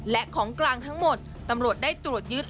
และของกลางทั้งหมดตำรวจได้ตรวจยึด